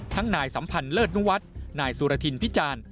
นายสัมพันธ์เลิศนุวัฒน์นายสุรทินพิจารณ์